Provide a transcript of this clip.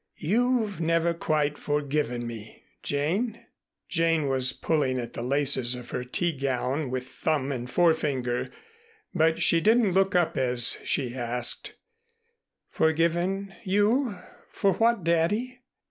You've never quite forgiven me, Jane?" Jane was pulling at the laces of her tea gown with thumb and forefinger, but she didn't look up as she asked, "Forgiven you for what, Daddy?"